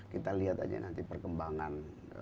kita lihat aja nanti perkembangan